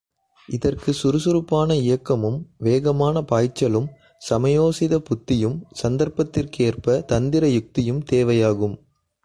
இதற்கு சுறுசுறுப்பான இயக்கமும், வேகமான பாய்ச்சலும், சமயோசிதப் புத்தியும், சந்தர்ப்பத்திற்கேற்ப தந்திர யுக்தியும் தேவையாகும்.